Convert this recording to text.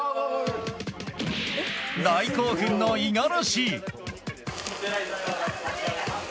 大興奮の五十嵐！